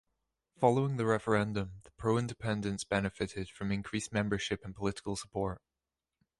Following the referendum, the pro-independence benefitted from increased membership and political support.